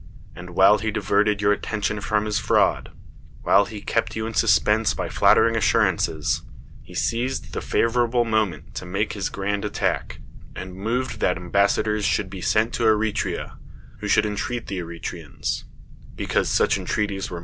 And while hu diverted your attention from his i'l aud, while he ke])t you in suspense by his tlattering' assurances, he seized the favorable moment to ir.ake his ^rand attack, and moved that ambassadors should be sent to Eretria, vrho should enti eat the Eretrians (because such entreaties were nii.